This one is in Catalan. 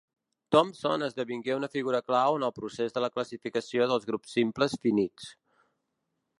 Thompson esdevingué una figura clau en el procés de la classificació dels grups simples finits.